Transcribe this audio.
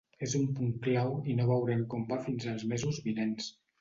És un punt clau i que no veurem com va fins als mesos vinents.